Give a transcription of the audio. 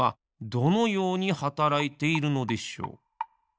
どのようにはたらいているのでしょう？